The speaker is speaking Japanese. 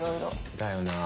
だよな